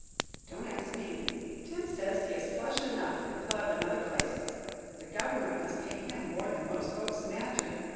"Don't ask me. Tim says he is flush enough at the club and other places. The government must pay him more than most folks imagine."